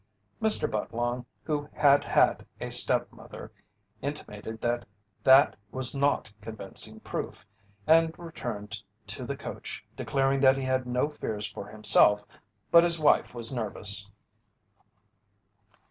Mr. Budlong, who had had a step mother, intimated that that was not convincing proof, and returned to the coach declaring that he had no fears for himself, but his wife was nervous.